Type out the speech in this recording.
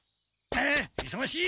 あいそがしい！